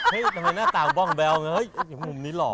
เฮ้ยทำไมหน้าตาบ้องแบ้วหุ่มนี้หล่อเลย